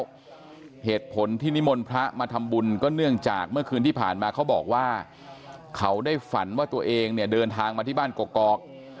แล้วเหตุผลที่นิมนต์พระมาทำบุญก็เนื่องจากเมื่อคืนที่ผ่านมาเขาบอกว่าเขาได้ฝันว่าตัวเองเนี่ยเดินทางมาที่บ้านกอก